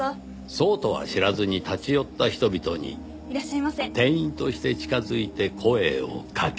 そうとは知らずに立ち寄った人々に店員として近づいて声をかけ。